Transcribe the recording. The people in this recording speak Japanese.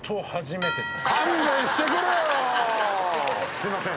すいません